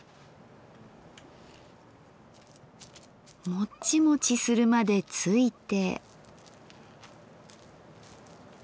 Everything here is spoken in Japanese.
もちもちするまでついて。